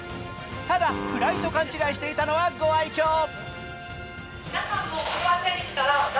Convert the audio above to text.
ただ、フライと勘違いしていたのはご愛きょう。